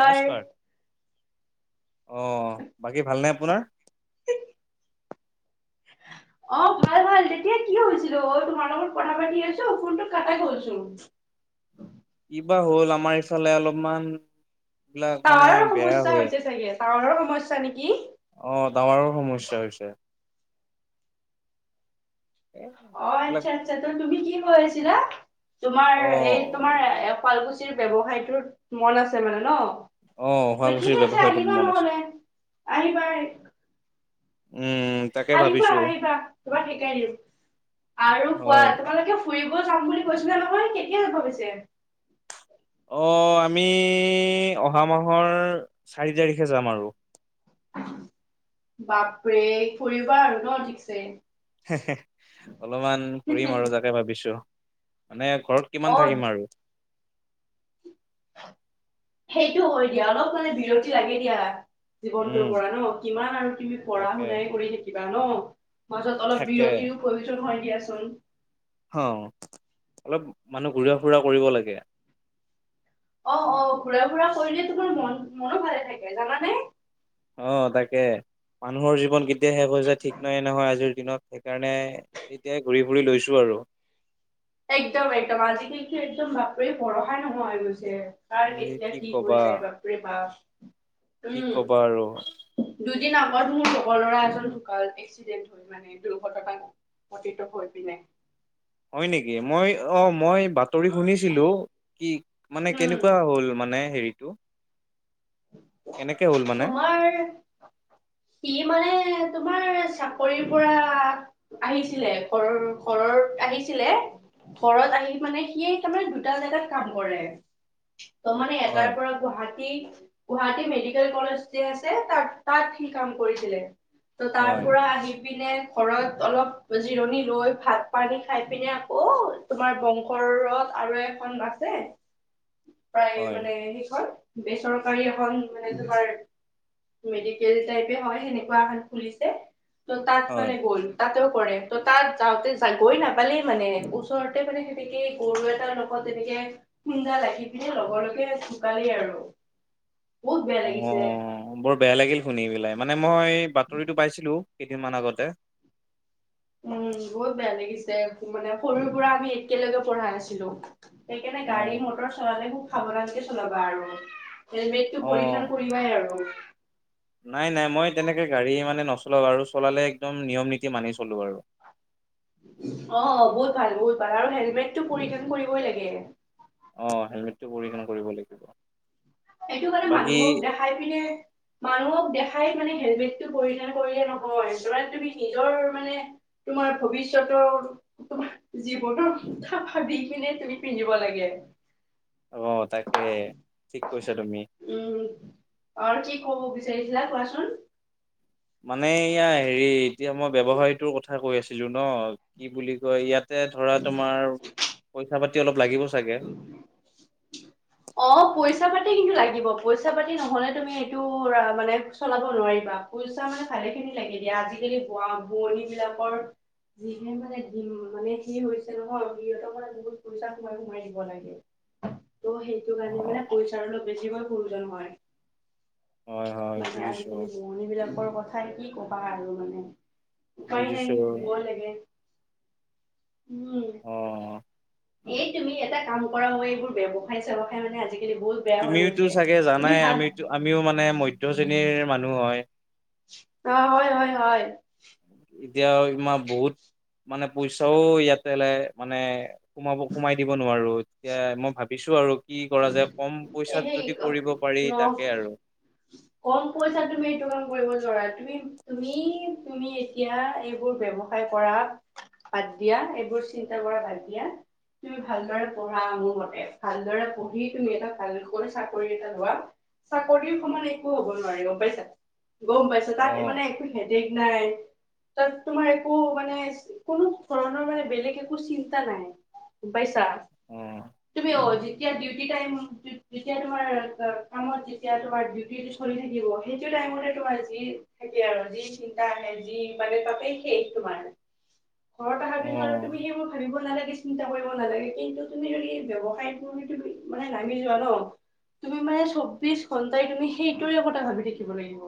নমস্কাৰ! অহ বাকী ভালনে আপোনাৰ? [inaudible] অহ ভাল ভাল। তেতিয়া কি হৈছিলো অ তোমাৰ লগত কথা পাতি আছো ফোনটো কাটা গলচোন? কিবা হ'ল আমাৰ ইফালে অলপমান বিলাক মানে তাৱাৰৰ বেয়া সমস্যা হৈ হৈছে চাগে? তাৱাৰৰ সমস্যা নেকি? অহ তাৱাৰৰ সমস্যা হৈছে। অহ এইবিলাক আচ্ছা আচ্ছা। তো তুমি কি কৈ আছিলা তোমাৰ অ এই তোমাৰ এ শুৱালকুছি ব্যৱসায়টোত মন আছে মানে ন? অ ঠিক শুৱালকুছিৰ আছে ব্যৱসায়টোত আহিবা মন আছে নহ'লে আহিবা উম তাকে আহিবা ভাবিছো আহিবা তোমাক শিকাই দিম আৰু কোৱা হয় তোমালোকে ফুৰিব যাম বুলি কৈছিলা নহয়, কেতিয়া যাবা পিছে? অহ আমি অহা মাহৰ চাৰি তাৰিখে যাম আৰু। বাপৰে! ফুৰিবা আৰু ন ঠিকছে। সে সে অলপমান ফুৰিম আৰু তাকে ভাবিছো, মানে ঘৰত কিমান অ থাকিম আৰু। সেইটো হয় দিয়া অলপ মানে বিৰতি লাগে দিয়া। জীৱনটোৰ উম পৰা ন, কিমান আৰু তুমি পঢ়া তাকে শুনাই কৰি থাকিবা ন? মাজত অলপ তাকে বিৰতিৰ প্ৰয়োজন হয় দিয়াচোন। হও অলপ মানুহ ঘূৰা-ফুৰা কৰিব লাগে। অহ অহ ঘুৰা ফুৰা কৰিলে তোমাৰ মন মনো ভালে থাকে জানানে। অহ তাকে মানুহৰ জীৱন কেতিয়া শেষ হৈ যায় ঠিক নাই নহয় আজিৰ দিনত। সেইকাৰণে এতিয়াই ঘূৰি ফুৰি লৈছোঁ আৰু। একদম একদম আজিকালিতো একদম বাপৰে ভৰসাই নহা হৈ গৈছে। কাৰ এ কেতিয়া কি হৈ কবা যায় বাপৰে বাপ। কি উম ক'বা আৰু। দুদিন আগত মোৰ লগৰ ল'ৰা এজন ঢুকাল এক্সিডেন্ট হৈ মানে দুৰ্ঘটনা সংঘটিত হৈ পিনে। হয় নেকি মই অহ মই বাত স্ত্ৰৰী শুনিছিলো কি মানে উম কেনেকুৱা হ'ল মানে হেৰিটো? কেনেকে হ'ল মানে তোমাৰ সি মানে তোমাৰ চাকৰিৰ পৰা আহিছিলে ঘৰৰ ঘৰত আহিছিলে ঘৰত আহি মানে সিয়ে তাৰমানে দুটা জাগাত কাম কৰে তাৰমানে এটাৰ হয় পৰা গুৱাহাটী গুৱাহাটী মেডিকেল কলেজ যে আছে তাত তাত সি কাম কৰিছিলে ত' তাৰ হয় পৰা আহি পিনে ঘৰত অলপ জিৰণি লৈ ভাত পানী খাই পিনে আকৌ তোমাৰ বংশৰত আৰু খন আছে প্ৰায় হয় মানে সেইখন বেচৰকা ৰী এখন মানে তোমাৰ মেডিকেল টাইপে হয় সেনেকুৱা এখন খুলিছে তো তাত হয় মানে গ'ল। তাতেও কৰে তো' তাত যাওঁতে গৈ নাপালেই মানে ওচৰতে মানে সেনেকে গৰু এটা ত' তেনেকে খুন্দা লাগি পিনে লগে লগে ঢুকালেই আৰু। বহুত বেয়া অহ লাগিছে বৰ বেয়া লাগিল শুনি পেলাই মানে মই বাতৰিটো পাইছিলো কেইদিনমান আগতে উম বহুত বেয়া লাগিছে মানে সৰুৰ পৰা আমি একেলগে পঢ়া আছিলো। সেইকাৰণে অ গাড়ী মটৰ চলালে খুব সাৱধানকে চলাবা আৰু হেলমেটটো অ পৰিধান কৰি থাকিবাই আৰু। নাই নাই মই তেনেকে গাড়ী মানে নচলাও আৰু চলালে একদম নিয়ম নীতি মানি চলো আৰু। অ' বহুত ভাল বহুত ভাল আৰু হেলমেটটো পৰিধান কৰিবই লাগে। অ' হেলমেটটো পৰিধান কৰিব লাগিব। সেইটো কাৰণে বাকী মানুহক দেখাই পিনে মানুহক দেখাই মানে হেলমেটটো পৰিধান কৰিলে নহয় ধৰা তুমি নিজৰ মানে তোমাৰ ভৱিষ্যতৰ তোমাৰ জীৱনৰ কথা ভাবি পিনে তুমি পিন্ধিব লাগে। অ' তাকে ঠিক কৈছা তুমি। উম' আৰু কি ক'ব বিচাৰিছিলা কোৱাচোন? মানে এয়া হেৰি এতিয়া মই ব্যৱসায়টোৰ কথা কৈ আছিলো ন কি বুলি কয় ইয়াত যে ধৰা তোমাৰ পইচা পাতি অলপ লাগিব চাগে? অ' পইচা পাতি কিন্তু লাগিব পইচা পাতি নহলে তুমি এইটো মানে চলাব নোৱাৰিবা। পইচা মানে ভালে খিনি লাগে দিয়া আজিকালিু ভুৱনী বিলাকৰ। যিহে মানে দিম মানে সেই হৈছে নহয় সিহঁতৰ মানে বহুত পইচা সো মাই দিব লাগে ত' সেইটো অ কাৰনে মানে পই আৰু অলপ বেছিকৈ প্ৰয়োজন হয় হয় হয় মানে বুজিছো আজিকালি ৰুৱনি বিলাকৰ কথা কি কবা আৰু মানে উপায় বুজিছো নাই দিবই লাগে। উম অ'। এই তুমি এটা কাম কৰা মই এইবোৰ ব্যৱসায় চ্ৱসায় মানে আজিকালি বহুত বেয়া হৈ তুমিওতো গৈছে চাগে তুমি জানাই ভাল আমিতো আমিও মানে মধ্য শ্ৰেণীৰ মানুহ হয়। অ', হয় হয় হয়। এতিয়া তোমাৰ বহুত মানে পইচাও ইয়াতে ল মানে সোমাব সোমাই দিব নোৱাৰো, এতিয়া মই ভাবিছো আৰু। কি কৰা যায় কম এ পইচাত সেই যদি কৰিব পাৰি ন তাকে আৰু। [inaudible] কম পইচাত তুমি এইটো কাম কৰিব নোৱাৰা, তুমি তুমি তুমি এতিয়া এইবোৰ ব্যৱ হাৰ কৰা বাদ দিয়া, এইবোৰ চিন্তা কৰা বাদ দিয়া। তুমি ভালদৰে পঢ়া মোৰ মতে, ভালদৰে পঢ়ি তুমি এটা ভালকৈ চাকৰি এটা লোৱা, চাকৰিৰ সমান একো হ'ব নোৱাৰি গম পাইছা। গম পাইছোঁ, অ তাত মানে একো হেডেগ নাই। তাত তোমাৰ একো মানে কোনো ধৰণৰ মানে বেলেগ একো চিন্তা নাই। গম পাইছা অ তুমি অধি তেতিয়া ডিউটি টাইম যেতিয়া তোমাৰ কামত যেতিয়া তোমাৰ ডিউটি চলি থাকিব। সেইটো টাইমতে তোমাৰ যি থাকে আৰু যি চিন্তা আহে যি মানে তাতেই শেষ তোমাৰ। ঘৰত অহাৰ অ পিছত আৰু তুমি সেই মোৰ ভাবিব নালাগে চিন্তা কৰিব নালাগে, কিন্তু তুমি যদি ব্যয়ৱসায় তুমি তুমি মানে নামি যোৱা ন। তুমি মানে চৌবিশ ঘন্টাই তুমি সেইটোৰে কথা ভাবি থাকিব লাগিব।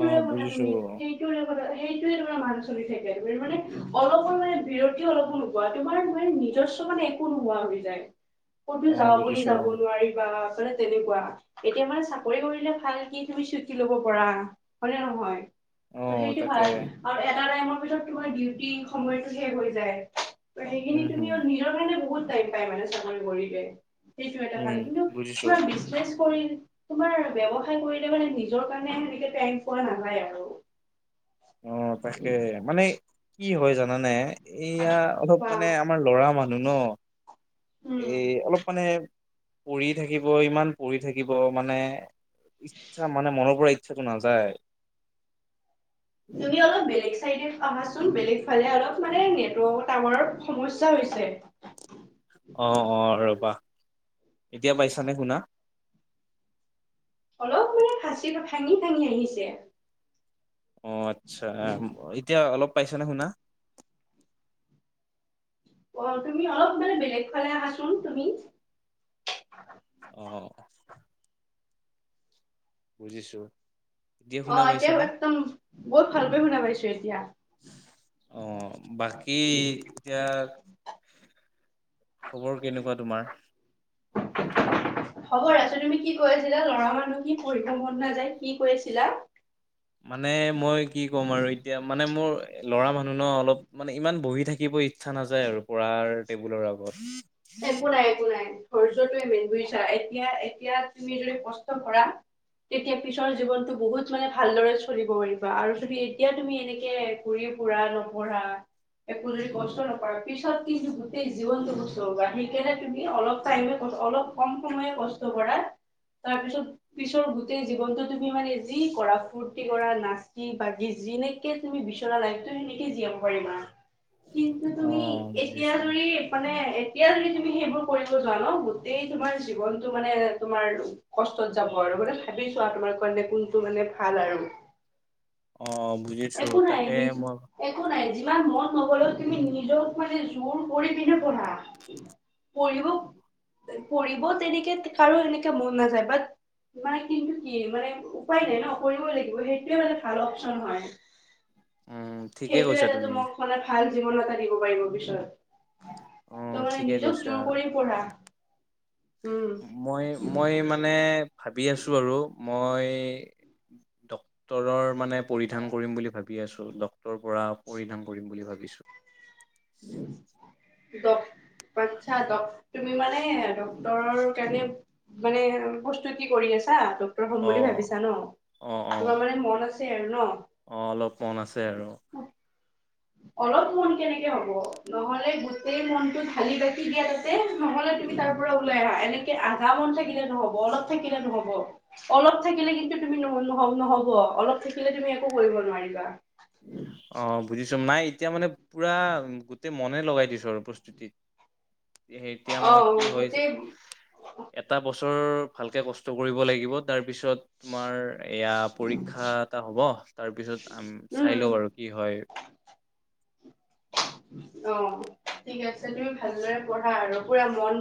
অ কথা বুজিছো তুমি সেইটোৰে কথা সেইটোৱে তোমাৰ মান চলি থাকে, তুমি মানে অলপো মানে বিৰতি অলপো নোপোৱা তোমাৰ মানে নিজস্ব মানে টো নহোৱা হৈ যায়, ক'তো অ যাওঁ বুলি বুজিছো যাব নোৱাৰি বা মানে তেনেকুৱা, এতিয়া মানে চাকৰি কৰিলে ভাল কি তুমি চুটি লব পাৰা হয়নে নহয়? অ ত' সেইটো তাকে ভাল আৰু এটা টাইমৰ ভিতৰত তোমাৰ ডিউটি সময়তটো শেষ হৈ যায়। ত' সেইখিনি উম হম তুমি আৰু নিজৰ কাৰণে বহুত টাইম পাই মানে চাকৰি কৰিলে। সেইটো এটা উম ভাল, কিন্তু বুজিছো ধৰা বিজনেছ কৰি তোমাৰ ব্যৱসায় কৰিলে মানে নিজৰ কাৰণে সেনেকে টাইম পোৱা নাযায় আৰু। অঁ, তাকে মানে কি হয় জানানে, এয়া অলপ চোৱা মানে আমাৰ লৰা মানুহ ন। উম। এ অলপ মানে পৰি থাকিব ইমান পৰি থাকিব মানে। ইচ্ছা মানে মনৰ পৰা ইচ্ছাটো নাযায়। তুমি অলপ বেলেগ চাইডে অহাচোন বেলেগ ফালে অলপ মানে নেটৱৰ্কৰ টাৱাৰ সমস্যা হৈছে। অঁ অঁ, ৰবা এতিয়া পাইছানে শুনা? অলপ মানে ফাঁচি ভাঙি ভাঙি আহিছে। অঁ, আচ্ছা এতিয়া অলপ পাইছানা শুনা? অঁ তুমি অলপ মানে বেলেগ ফালে আহাচোন তুমি? অঁ। বুজিছো। শুনা অঁ, এতিয়া পাইছানে একদম বহুত ভালকৈ শুনা পাইছো এতিয়া। অঁ বাকী এতিয়া, খবৰ কেনেকুৱা তোমাৰ? [unintelligible] হ'ব ৰাজো তুমি কি কৈ আছিলা লৰা মানুহ কি পঢ়িব থাকিব মন নাযায় কি কৈ আছিলা? মানে মই কি ক'ম আৰু এতিয়া মানে মোৰ লৰা মানুহ ন, অলপ মানে ইমান বহি থাকিব ই ইচা নাযায় আৰু পঢ়া টেবুলৰ আগত। একো নাই একো নাই ধৈৰ্যটো মেইন বুজিছা এতিয়া এতিয়া তুমি যদি কষ্ট কৰা। তেতিয়া পিছৰ জীৱনতটো বহুত মানে ভালদৰে চলিব পাৰিবা আৰু তুমি এতিয়া তুমি এনেকে ঘূৰিফুৰা নপঢ়া একো যদি কষ্ট নকৰা, পিছত কিন্তু গোটেই জীৱনটো সেইকাৰণে তুমি অলপ টাইম অলপ কম সময়ে কষ্ট কৰা তাৰপিছত পিছৰ গোটেই জীৱনটো তুমি মানে যি কৰা ফুৰ্তি কৰা নাচি বাগি যেনে কে তুমি বিচৰা লাইফতো সেনেকে জীয়াব পাৰিবা কিন্তু অ তুমি এতিয়া বুজিছো যদি মানে এতিয়া যদি তুমি সেইবোৰ কৰিব যোৱা ন গোটেই তোমাৰ জীৱনটো মানে তোমাৰ কষ্টত যাব আৰু মানে ভাবি চোৱা তোমাৰ কাৰণে কোনটো মানে ভাল আৰু অ বুজিছো একো নাই তাকে নিজ মই একো নাই যিমান মন নগলেও তুমি নিজক মানে জোৰ কৰি পিনে পঢ়া [unintelligible] পঢ়িব পঢ়িব তেনেকে কাৰো এনেকে মন নাযায় বাত মানে কিন্তু কি মানে উপায় নাই ন কৰিবই লাগিব সেইটোৱে মানে ভাল অপচন হয় উম ঠিকে সেইটোয়ে কৈছা এটা তুমি তোমোক মানে ভাল জীৱন এটা দিব পাৰিব পিছত অ ত মানে ঠিকে নিজক যোৰ কৈছা কৰি পঢ়া উম মই মই মানে ভাবি আছোঁ আৰু মই ট ডক্তৰৰ মানে পৰিধান কৰিম বুলি ভাবি আছো ডক্তৰ পৰা পৰিধান কৰিম বুলি ভাবিছোঁ [unintelligible] ড আচ্ছা ড তুমি মানে ডক্তৰৰ কাৰণে মানে প্ৰস্তুতি কৰি আছা তোক ডক্তৰ হ'ম অ বুলি ভাবিছা ন অ অ তোমাৰ মানে মন আছে আৰু ন অ অলপ মন আছে আৰু অলপ মন কেনেকে হব নহলে গোটেই মনটো ঢালি বাকি দিয়া তাতে নহলে তুমি তাৰ পৰা ওলাই আহা এনেকে আধা মন থাকিলে নহব অলপ থাকিলে নহব অলপ থাকিলে কিন্তু তুমি ন ন নহব অলপ থাকিলে তুমি একো কৰিব নোৱাৰিবা অ বুজিছো নাই এতিয়া মানে পুৰা গোটেই মনে লগাই দিছো আৰু প্ৰস্ত তিত এতিয়া অ মই কি হৈছে গোটেই এটা বছৰ ভালকে কষ্ট কৰিব লাগিব তাৰপিছত তোমাৰ এয়া পৰীক্ষা এটা হ'ব তাৰপিছত চাই উম লও আৰু কি হয় অ ঠিক আছে তুমি ভালদৰে পঢ়া আৰু পুৰা মন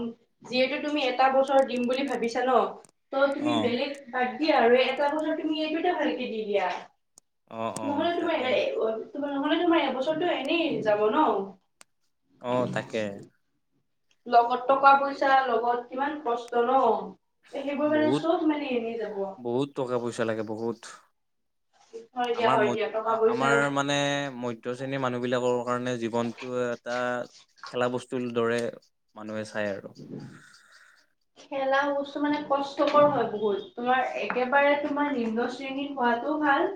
যিহেতু তুমি এটা বছৰ দিম বুলি ভাবিছা ন ত তুমি অ বেলেগ বাদ দিয়া আৰু এটা বছৰ তুমি এইটোতে ভালকে দি দিয়া অ অ নহ'লে তোমাৰ তাকে এই অ তোমাৰ নহলে তোমাৰ এবছৰটো এনেই যাব ন অ তাকে লগত টকা পইচা লগত কিমান কষ্ট ন সেইবোৰ মানে বহুত চব মানে এনেই যাব বহুত টকা পইচা লাগে বহুত। হয় দিয়া আমাৰ ম হয় দিয়া টকা আমাৰ পইচা মান মানে মধ্যশ্ৰেণীৰ মানুহবিলাকৰ কাৰণে জীৱনটো এটা খেলা বস্তুৰ দৰে মানুহে চাই আৰু। খেলা বস্তু মানে কষ্টকৰ হয় বহুত তোমাৰ একেবাৰে তোমাৰ নিম্ন শ্ৰেণীত হোৱাতো ভাল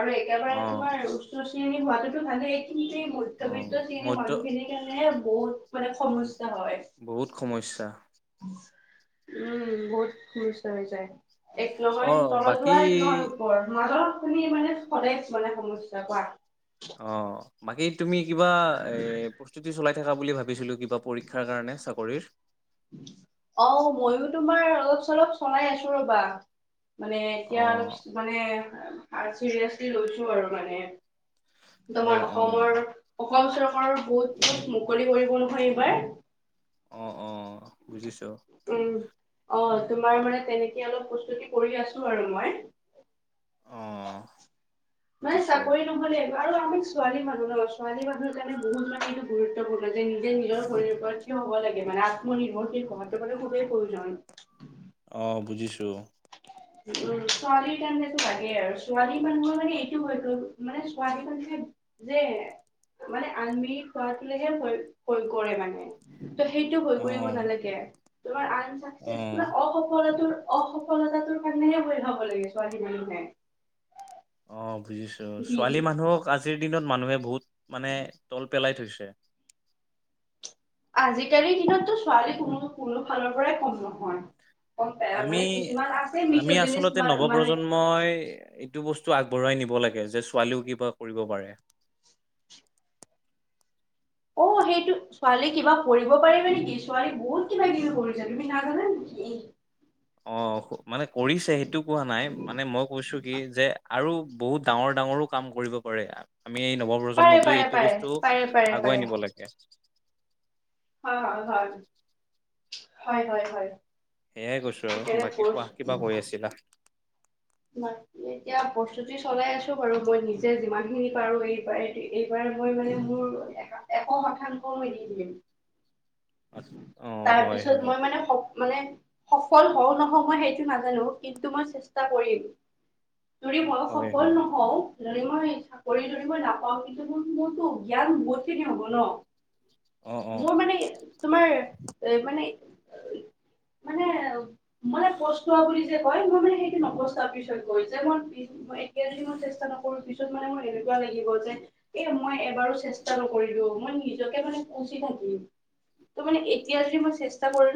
আৰু অ একেবাৰে তোমাৰ উচ্চ শ্ৰেণী হোৱাটোতো ভালেই কিন্তু অ মধ্যবিত্ত শ্ৰেণীৰ মধ্য মানুহখিনিৰ কাৰণে বহুত মানে সমস্যা হয়। বহুত সমস্যা। উম বহুত সমস্যা হৈ যায়। এক অ নহয়, তলত বাকী যোৱা নহয় ওপৰত মাজত তুমি মানে সদায় মানে সমস্যা পোৱা অ বাকী তুমি কিবা এই প্ৰস্তুতি চলাই থকা বুলি ভাবিছিলোঁ কিবা পৰীক্ষাৰ কাৰণে চাকৰিৰ। অ', ময়ো তোমাৰ অলপ-চলপ চলাই আছোঁ ৰবা। মানে অ এতিয়া অলপ মানে আহ', চিৰিয়াচলি লৈছোঁ আৰু মানে। অ তোমাৰ অ অসমৰ, অসম চৰকাৰৰ পোষ্টবোৰ মুকলি কৰিব নহয় এইবাৰ। অ', -অ', বুজিছোঁ। উম', অ', তোমাৰ মানে, তেনেকে অলপ প্ৰস্তুতি কৰি আছোঁ আৰু মই। অ মানে বুজিছো চাকৰি নহ'লে, আৰু আমি ছোৱালী মানুহ ন! ছোৱালী মানুহৰ কাৰণে বহুত মানে। গুৰুত্বপূৰ্ণ যে, নিজে নিজৰ ভৰিৰ ওপৰত থিয় হ'ব লাগে মানে, আত্মনিৰ্ভৰশীল হোৱাটো মানে খুবেই প্ৰয়োজন। অ', বুজিছোঁ। উম, ছোৱালীৰ কাৰণেতো লাগেই আৰু ছোৱালী মানুহৰ মানে, এইটো হয়তো মানে ছোৱালী মানে। যে মানে আমি কৰাতো লৈ হে প্ৰয়ো-প্ৰয়োগ কৰে মানে। ত' সেইটো ভয় অ কৰিব নালাগে, তোমাৰ অ আনচাকচেচফুল অসফলতা। অসফলতাটোৰ কাৰণেহে ভয় খাব লাগে ছোৱালী মানুহে। অ', বুজিছোঁ, ছোৱালী মানুহক আজিৰ দিনত মানুহে বহুত মানে তল পেলাই থৈছে। আজিকালিৰ দিনতটো ছোৱালী কোনো কোনো ফালৰ পৰাই কম নহয়। আমি, মানে কিছুমান আআ', আছে -আমি মিছজিনিছ আচলতে মানে নৱপ্ৰজন্ম। মই, এইটো বস্তু আগবঢ়ুৱাই নিব লাগে যে, ছোৱালীও কিবা কৰিব পাৰে। অ', সেইটো ছোৱালী কিবা কৰিব পাৰে মানে কি, ছোৱালী বহুত কিবা-কিবি কৰিছে, তুমি নাজানা নেকি? অ', ক', মানে কৰিছে, সেইটো কোৱা নাই, মানে মই কৈছোঁ কি যে। আৰু বহুত ডাঙৰ-ডাঙৰো কাম কৰিব পাৰে। আমি এই পাৰে নৱপ্ৰজন্মটো পাৰে এইটো পাৰে বস্তু পাৰে পাৰে আগুৱাই পাৰে নিব লাগে। হয়-হয়-হয়, হয়-হয়-হয়। সেয়াই কৈছোঁ আৰু বাকী কোৱা, কিবা কৈ আছিলা? একো নাই। এতিয়া প্ৰস্তুতি চলাই আছোঁ বাৰু, মই নিজে যিমানখিনি পাৰোঁ, এইবাৰ হেৰি এইবাৰ মই মানে মোৰ। এশ-এশ শতাংশ এৰি দিলে। অ হয় তাৰপিছত হয় মই মানে সফ মানে, সফল হওঁ নহওঁ মই সেইটো নাজানোঁ, কিন্তু মই চেষ্টা কৰিম। যদি মই হয় সফল হয় নহওঁ। যদি মই চাকৰি যদি মই নাপাওঁ কিন্তু মোৰ-মোৰতো জ্ঞান বহুতখিনি হ'ব ন। অ অ মোৰ মানে, তোমাৰ এ, মানে, মানে। মানে পষ্টোৱা বুলি যে কয়, মই মানে সেইটো নপষ্টাও পিছত গৈ, যে মই পিছ মই একেদিনত চেষ্টা নকৰোঁ, পিছত মানে মোৰ এনেকুৱা লাগিব যে। এ মই এবাৰো চেষ্টা নকৰিলোঁ মই নিজকে মানে কুচি থাকিম। ত মানে এতিয়া যদি মই চেষ্টা কৰিলোঁ।